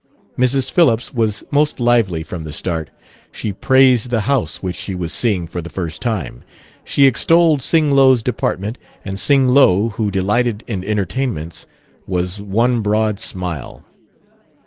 Mrs. Phillips was most lively from the start. She praised the house, which she was seeing for the first time. She extolled Sing Lo's department, and Sing Lo, who delighted in entertainments, was one broad smile.